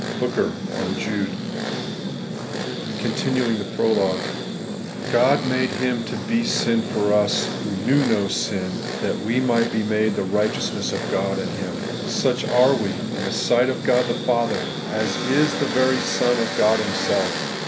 — HooKEn on Jude. * God made Him to be sin for us who knew no sin, that we might be made the righteousness of God in Him. Such are we in the sight of God the Father as is the very Son of God Himself.